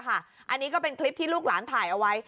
อันนี้ก็เป็นคลิปที่ลูกหลานถ่ายเอาไว้